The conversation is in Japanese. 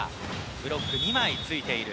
ブロック２枚ついている。